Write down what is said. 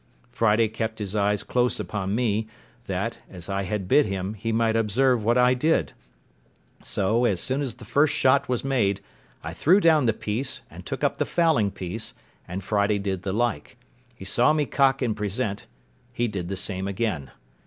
Friday kept his eyes close upon me, that, as I had bid him, he might observe what I did; so, as soon as the first shot was made, I threw down the piece, and took up the fowling piece, and Friday did the like; he saw me cock and present; he did the same again.